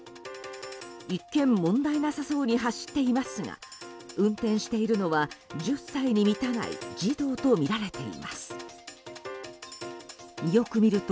一見問題なさそうに走っていますが運転しているのは１０歳に満たない児童とみられています。